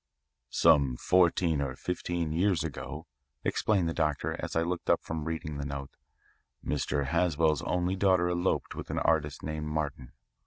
"Some fourteen or fifteen years ago," explained the doctor as I looked up from reading the note, "Mr. Haswell's only daughter eloped with an artist named Martin.